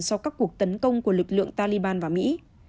sau các cuộc tấn công của lực lượng taliban và mỹ